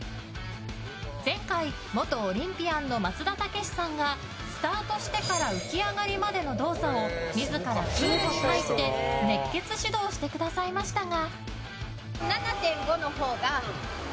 前回、元オリンピアンの松田丈志さんがスタートしてから浮き上がりまでの動作を自らプールに入って熱血指導してくださいましたが。